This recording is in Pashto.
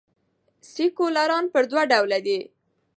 سیکولران پر دوه ډوله دي.